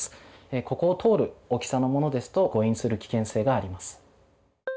ここを通る大きさのものですと誤飲する危険性があります。